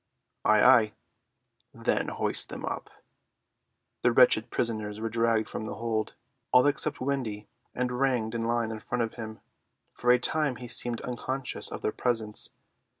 "Ay, ay." "Then hoist them up." The wretched prisoners were dragged from the hold, all except Wendy, and ranged in line in front of him. For a time he seemed unconscious of their presence.